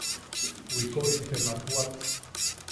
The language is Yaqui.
Wikoʼim te makwak.